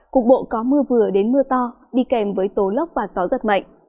cục bộ có mưa vừa đến mưa to đi kèm với tố lốc và gió giật mạnh